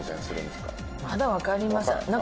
まだ分かりません。